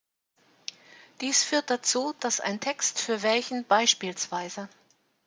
Dies führt dazu, dass ein Text, für welchen bspw.